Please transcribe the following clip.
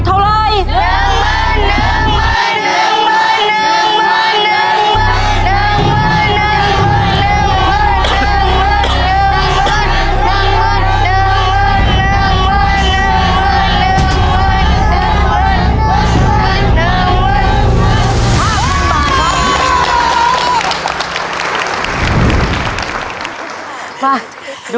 เท่าไหร่